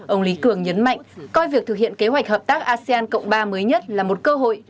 ông lý cường nhấn mạnh coi việc thực hiện kế hoạch hợp tác asean cộng ba mới nhất là một cơ hội